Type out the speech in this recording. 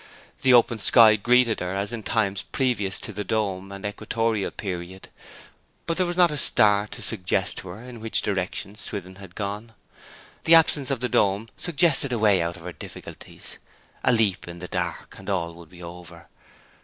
The open sky greeted her as in times previous to the dome and equatorial period; but there was not a star to suggest to her in which direction Swithin had gone. The absence of the dome suggested a way out of her difficulties. A leap in the dark, and all would be over.